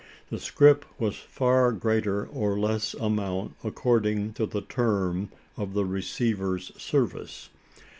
The scrip was for greater or less amount, according to the term of the receiver's service.